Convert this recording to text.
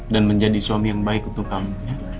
dan menjadi suami yang baik untuk kamu